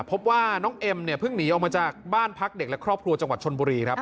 พบว่าน้องเอ็มเนี่ยเพิ่งหนีออกมาจากบ้านพักเด็กและครอบครัวจังหวัดชนบุรีครับ